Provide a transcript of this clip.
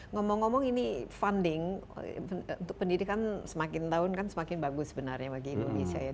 ngomong ngomong ini funding untuk pendidikan semakin tahun kan semakin bagus sebenarnya bagi indonesia ya